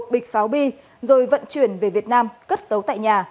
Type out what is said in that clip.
một bịch pháo bi rồi vận chuyển về việt nam cất giấu tại nhà